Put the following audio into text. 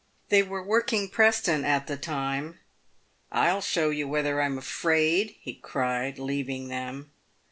They were working Preston at the time. " I'll show you whether I'm afraid," be cried, leaving them.